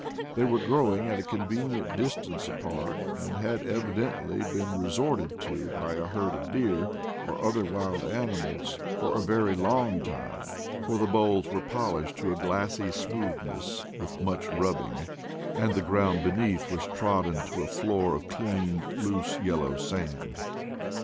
They were growing at a convenient distance 208 IDLE DAYS IN PATAGONIA apart, and had evidently been resorted to by a herd of deer or other wild animals for a very long time, for the boles were polished to a glassy smoothness with much rubbing, and the ground beneath was trodden to a floor of clean, loose yel low sand.